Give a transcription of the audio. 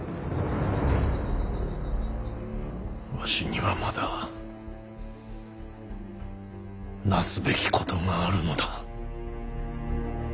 わしにはまだなすべきことがあるのだ。